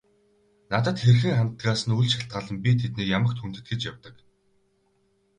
Надад хэрхэн ханддагаас нь үл шалтгаалан би тэднийг ямагт хүндэтгэж явдаг.